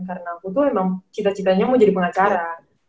karena aku tuh emang cita citanya mau jadi pengacara